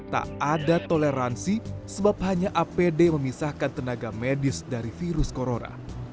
tak ada toleransi sebab hanya apd memisahkan tenaga medis dari virus corona